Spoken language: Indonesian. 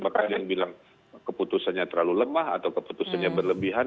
maka ada yang bilang keputusannya terlalu lemah atau keputusannya berlebihan